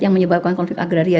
yang menyebabkan konflik agraria